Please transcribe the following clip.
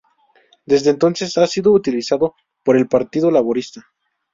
Desde entonces ha sido utilizado por el Partido Laborista.